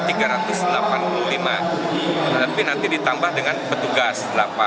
tapi nanti ditambah dengan petugas